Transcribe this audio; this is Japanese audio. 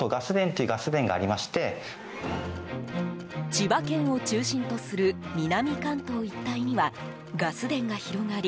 千葉県を中心とする南関東一帯にはガス田が広がり